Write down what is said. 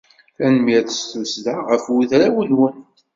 Tanemmirt s tussda ɣef udraw-nwen.